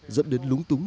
dẫn đến lúng túng